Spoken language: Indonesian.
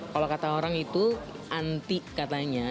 kalau kata orang itu anti katanya